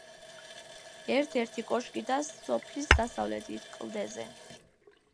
ერთ-ერთი კოშკი დგას სოფლის დასავლეთით, კლდეზე.